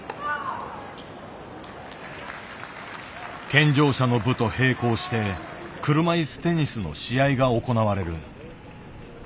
健常者の部と並行して車いすテニスの試合が行われる。